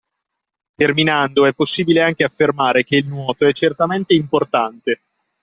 Terminando è possibile anche affermare che il nuoto è certamente importante.